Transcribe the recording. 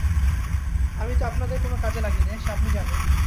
আমি তো আপনাদের কোনো কাজে লাগি নে, সে আপনি জানেন।